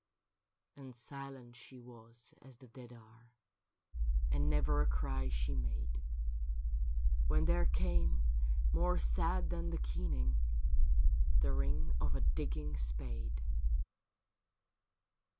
And silent she was as the dead are, And never a cry she made, When there came, more sad than the keening, The ring of a digging spade.